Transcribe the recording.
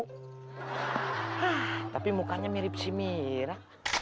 hah tapi mukanya mirip si mira